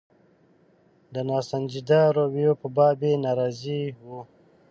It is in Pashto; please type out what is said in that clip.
د ناسنجیده رویو په باب یې ناراضي وو.